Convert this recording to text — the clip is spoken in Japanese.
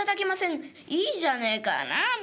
「いいじゃねえかなあ？